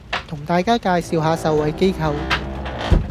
同大家介紹下受惠機構